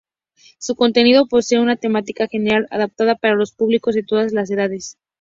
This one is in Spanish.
Su contenido posee una temática general adaptada para un público de todas las edades.